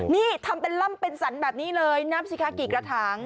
นี่ทำเป็นล่ำเป็นสันแบบนี้เลยนับสิคะกี่กระถาง